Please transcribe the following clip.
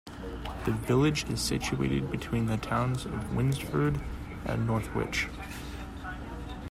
The village is situated between the towns of Winsford and Northwich.